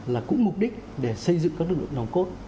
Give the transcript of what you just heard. là cũng mục đích để xây dựng các lực lượng nòng cốt